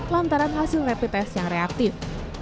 lantaran hasil rapid test yang reaktif